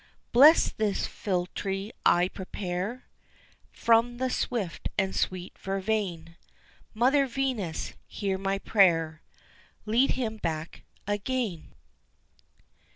Bless this philtre I prepare From the swift and sweet vervain; Mother Venus, hear my prayer Lead him back again!